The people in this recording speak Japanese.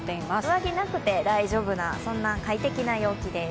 上着がなくて大丈夫な快適な陽気です。